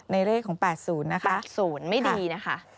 เลขของ๘๐นะคะ๐ไม่ดีนะคะ